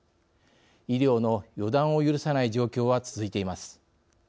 医療の予断を許さない状況は続いています。